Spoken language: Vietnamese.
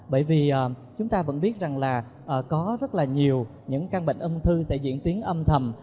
bởi vì chúng ta vẫn biết rằng là có rất là nhiều những căn bệnh ung thư sẽ diễn tiến âm thầm